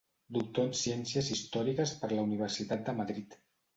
Doctor en ciències històriques per la Universitat de Madrid.